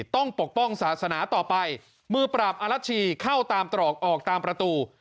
ปกป้องศาสนาต่อไปมือปราบอลัชชีเข้าตามตรอกออกตามประตู